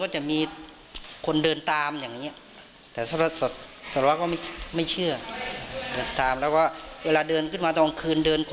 จะมีความรู้สึกว่าขนลุก